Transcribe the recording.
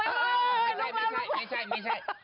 ไม่ใช่ไม่ใช่